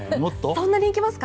そんなにいきますか？